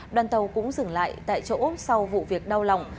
đoàn tàu cũng dừng lại tại chỗ sau vụ việc đau lòng